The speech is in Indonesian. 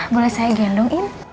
boleh saya gendongin